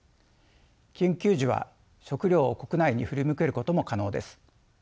緊急時は食料を国内に振り向けることも可能です。